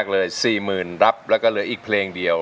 ร้องเติมก็เหลือสี่หมื่นรับแล้วก็เหลืออีกเพลงเดียว